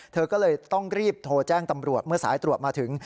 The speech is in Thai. เธอก็เลยต้องรีบโทรแจ้งตำรวจเมื่อสายตรวจมาถึง